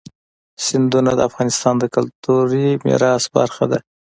سیندونه د افغانستان د کلتوري میراث برخه ده.